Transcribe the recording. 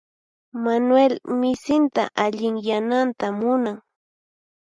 Manuel misinta allinyananta munan.